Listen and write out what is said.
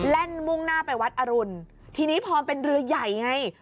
แล่นมุ่งหน้าไปวัดอรุณทีนี้พอมันเป็นเรือใหญ่ไง